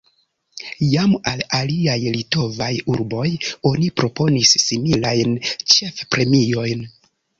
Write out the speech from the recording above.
Jam al aliaj litovaj urboj oni proponis similajn ĉefpremiojn.